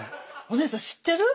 お姉さん知ってる？